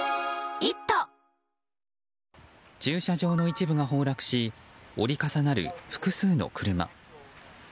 駐車場の一部が崩落し折り重なる複数の車。